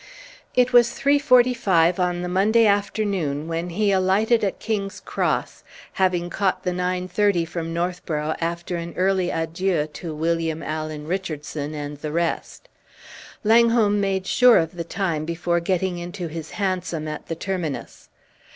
It was 3.45 on the Monday afternoon when he alighted at King's Cross, having caught the 9.30 from Northborough after an early adieu to William Allen Richardson and the rest. Langholm made sure of the time before getting into his hansom at the terminus.